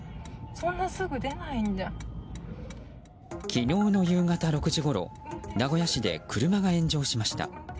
昨日の夕方６時ごろ名古屋市で車が炎上しました。